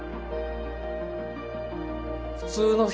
普通の人。